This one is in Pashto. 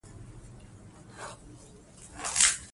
افغانستان د بادام کوربه دی.